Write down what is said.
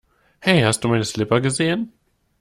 Hey hast du meine Slipper gesehen?